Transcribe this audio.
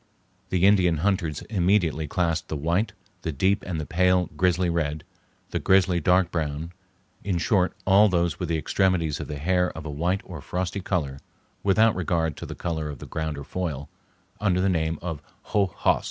The Indian hunters immediately classed the white, the deep and the pale grizzly red, the grizzly dark brown—in short, all those with the extremities of the hair of a white or frosty color without regard to the color of the ground or foil—under the name of hoh host.